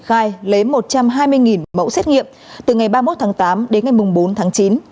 khai lấy một trăm hai mươi mẫu xét nghiệm từ ngày ba mươi một tháng tám đến ngày bốn tháng chín